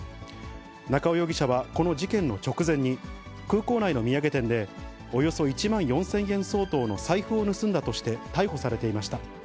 中尾容疑者はこの事件の直前に、空港内の土産店でおよそ１万４０００円相当の財布を盗んだとして逮捕されていました。